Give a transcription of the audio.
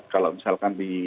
kalau misalkan di